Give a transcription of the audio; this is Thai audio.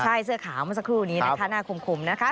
ใช่เสื้อขาวเมื่อสักครู่นี้นะคะหน้าคมนะคะ